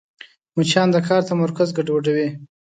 مچان د کار تمرکز ګډوډوي